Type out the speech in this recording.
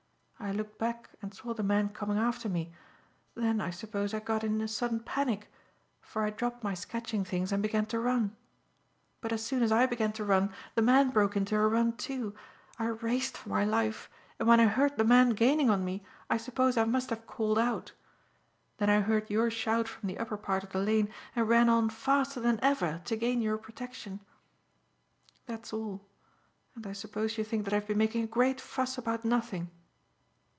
I looked back and saw the man coming after me. Then, I suppose, I got in a sudden panic, for I dropped my sketching things and began to run. But as soon as I began to run, the man broke into a run too. I raced for my life, and when I heard the man gaining on me, I suppose I must have called out. Then I heard your shout from the upper part of the lane and ran on faster than ever to gain your protection. That's all, and I suppose you think that I have been making a great fuss about nothing."